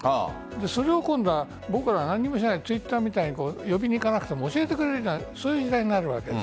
それを今度は、僕ら何もしないでＴｗｉｔｔｅｒみたいに呼びに行かなくても教えてくれるという時代になる。